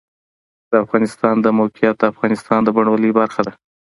د افغانستان د موقعیت د افغانستان د بڼوالۍ برخه ده.